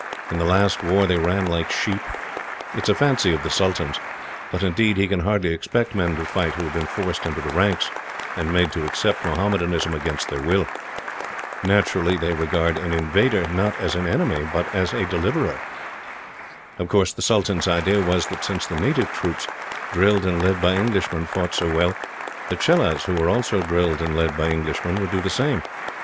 In the last war they ran like sheep. It is a fancy of the sultan's. But, indeed, he can hardly expect men to fight who have been forced into the ranks, and made to accept Mohammedanism against their will. Naturally they regard an invader, not as an enemy, but as a deliverer. "Of course the sultan's idea was, that since the native troops, drilled and led by Englishmen, fought so well; the Chelahs, who were also drilled and led by Englishmen, would do the same.